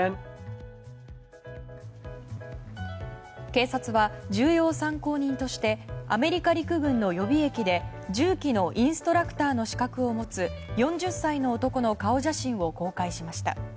警察は重要参考人としてアメリカ陸軍の予備役で銃器のインストラクターの資格を持つ４０歳の男の顔写真を公開しました。